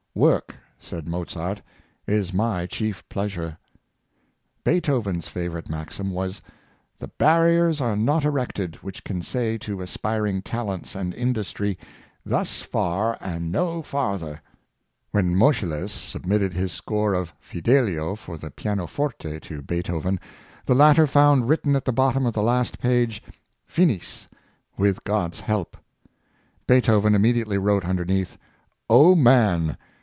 " Work," said Mo zart, *'is my chief pleasure." Beethoven's favorite maxim was, " The barriers are not erected which can say to aspiring talents and industry, ' Thus far and no farther.' " When Moscheles submitted his score of '' Fidelio " for the pianoforte to Beethoven, the latter found written at the bottom of the last page, ^' Finis, with God's help." Beethoven immediately wrote un derneath, '' O man!